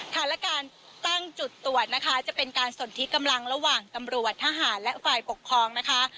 การตั้งจุดตรวจนะคะจะเป็นการสนทิกำลังระหว่างตำรวจทหารและฝ่ายปกครองนะคะ